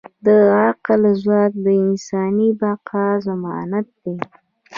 د عقل ځواک د انساني بقا ضمانت دی.